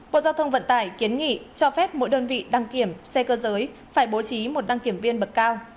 bộ giao thông vận tải kiến nghị cho phép mỗi đơn vị đăng kiểm xe cơ giới phải bố trí một đăng kiểm viên bậc cao